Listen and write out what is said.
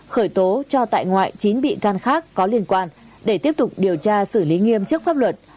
khởi tố cho tại ngoại chín bị can khác có liên quan để tiếp tục điều tra xử lý nghiêm chức pháp luật